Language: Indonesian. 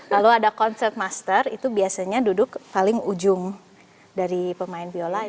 lalu ada concert master itu biasanya duduk paling ujung dari pemain viola